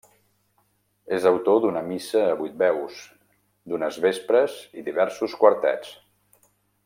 És autor d'una missa a vuit veus, d'unes vespres i diversos quartets.